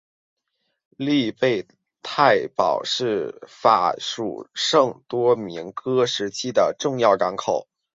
利贝泰堡是法属圣多明戈时期的重要港口。